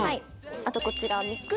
あとこちら。